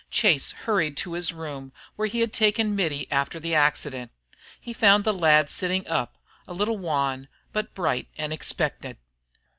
Chase hurried to his room where he had taken Mittie after the accident. He found the lad sitting up, a little wan, but bright and expectant.